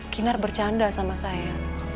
kinar bercanda sama saya